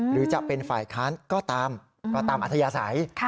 หรือจะเป็นฝ่ายค้านก็ตามก็ตามอัธยาศัย